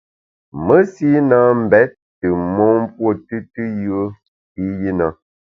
Mesi na mbèt tù mon mpuo tùtù yùe i yi na.